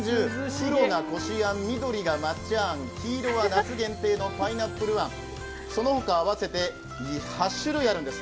黒がこしあん、緑が抹茶あん、黄色は夏限定のパイナップルあん、その他合わせて８種類あるんです。